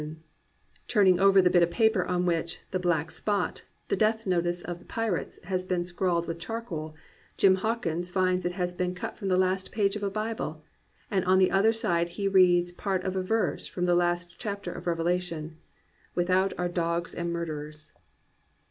'* 385 COMPANIONABLE BOOKS Turning over the bit of paper on which "the black spot," the death notice of the pirates, has been scrawled with charcoal, Jim Hawkins finds it has been cut from the last page of a Bible, and on the other side he reads part of a verse from the last chapter of the Revelation: Without are dogs and murderers.